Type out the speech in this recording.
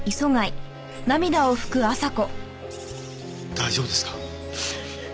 大丈夫ですか？